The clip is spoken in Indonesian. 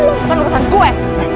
bukan urusan gue